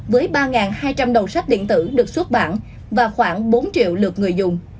với ba hai trăm linh đầu sách điện tử được xuất bản và khoảng bốn triệu lượt người dùng